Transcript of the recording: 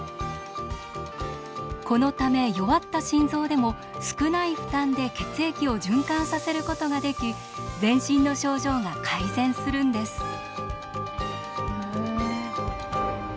このため弱った心臓でも少ない負担で血液を循環させることができ全身の症状が改善するんです。